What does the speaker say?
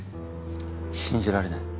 信じられない。